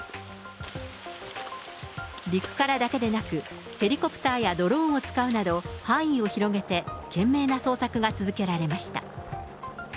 陸からだけでなく、ヘリコプターやドローンを使うなど、範囲を広げて懸命な捜索が続けられました。